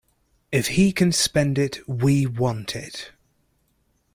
If he can spend it, we want it.